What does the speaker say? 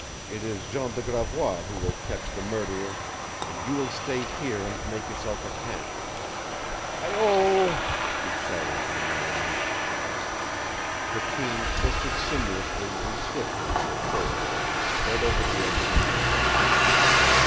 It is Jean de Gravois who will catch the murderer, and you will stay here and make yourself a camp. Hi o o o o!" he shouted to the Malemutes. The team twisted sinuously and swiftly in the trail as he sped over the edge of the mountain.